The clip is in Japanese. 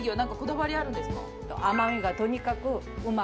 甘みがとにかくうまい。